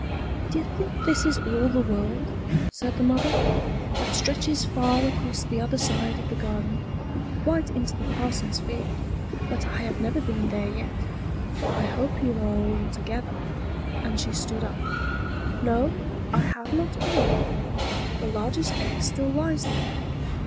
"D'ye think this is all the world?" said the mother. "That stretches far across the other side of the garden, quite into the parson's field; but I have never been there yet. I hope you are all together," and she stood up. "No, I have not all. The largest egg still lies there.